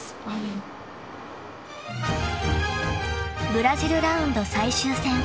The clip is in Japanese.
［ブラジルラウンド最終戦］